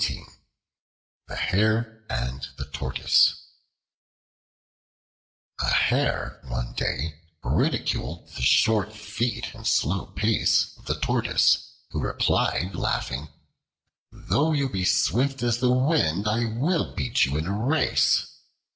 The Hare and the Tortoise A HARE one day ridiculed the short feet and slow pace of the Tortoise, who replied, laughing: "Though you be swift as the wind, I will beat you in a race."